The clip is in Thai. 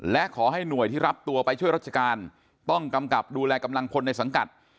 และขอให้หน่วยที่รับตัวไปช่วยราชการต้องกำกับดูแลกำลังพลในสังกัด